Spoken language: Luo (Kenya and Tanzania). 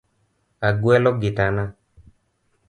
Agwelo gitana.